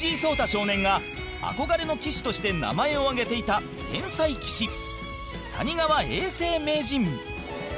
少年が憧れの棋士として名前を挙げていた天才棋士、谷川永世名人